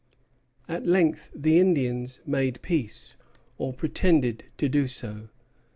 At length the Indians made peace, or pretended to do so.